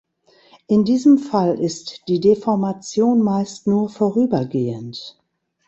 In diesem Fall ist die Deformation meist nur vorübergehend.